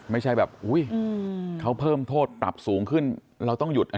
ไม่ใช่แบบอุ้ยเขาเพิ่มโทษปรับสูงขึ้นเราต้องหยุด